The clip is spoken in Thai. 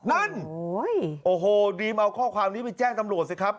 นั่นโอ้โหรีมเอาข้อความนี้ไปแจ้งตำรวจสิครับ